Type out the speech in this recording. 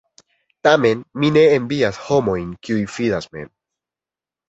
Tamen mi ne envias homojn, kiuj fidas mem.